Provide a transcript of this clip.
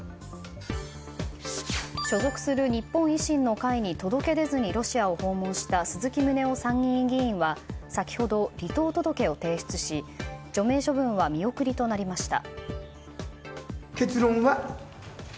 所属する日本維新の会に届け出ずにロシアを訪問した鈴木宗男参議院議員は先ほど、離党届を提出し除名処分は見送りとなりました。